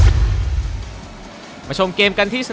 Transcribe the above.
สนามโรงเรียนสมุทรสาคอนวุฒิชัย